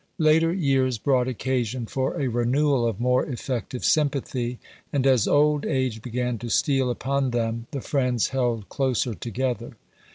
Later years brought occasion for a renewal of more effective sympathy; and as old age began to steal upon them, the friends held closer together.